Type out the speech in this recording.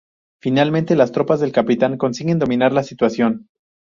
Finalmente, las tropas del capitán consiguen dominar la situación.